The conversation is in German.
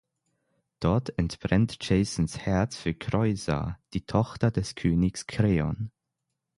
Dort entbrennt Jasons Herz für Kreusa, die Tochter des Königs Kreon.